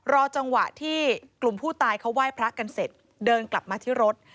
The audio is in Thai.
รอจังหวะที่กลุ่มผู้ตายเขาไหว้พระกันเสร็จเดินกลับมาที่รถ